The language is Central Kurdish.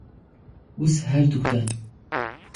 وس، هەردووکتان.